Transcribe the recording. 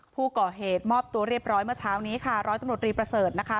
ผู้ก่อเหตุมอบตัวเรียบร้อยเมื่อเช้านี้ค่ะร้อยตำรวจรีประเสริฐนะคะ